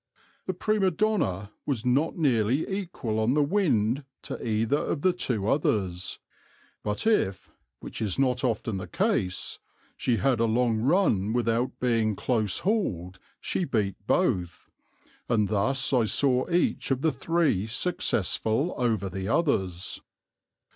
"The Prima Donna was not nearly equal on the wind to either of the two others, but if (which is not often the case) she had a long run without being close hauled she beat both, and thus I saw each of the three successful over the others.